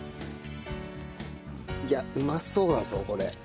いやあうまそうだぞこれ。